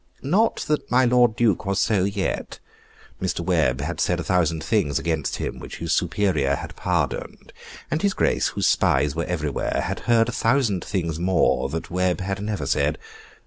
Not that my Lord Duke was so yet; Mr. Webb had said a thousand things against him, which his superior had pardoned; and his Grace, whose spies were everywhere, had heard a thousand things more that Webb had never said.